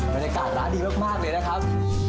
บรรยากาศร้านดีมากเลยนะครับ